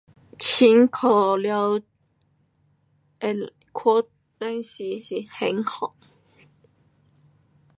请假了看电视是享受。